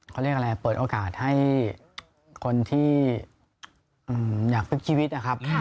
เขาเรียกอะไรเปิดโอกาสให้คนที่อยากพลิกชีวิตนะครับ